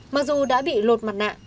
mặc dù đã bị lột mặt nạ